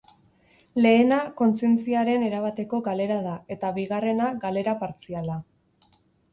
Lehena, kontzientziaren erabateko galera da eta bigarrena galera partziala.